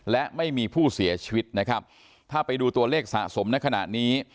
และไม่มีผู้เสียชีวิตนะครับถ้าไปดูตัวเลขสะสมในขณะนี้